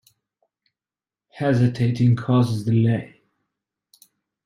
Hesitating causes delay.